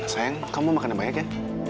sayang kamu makannya banyak ya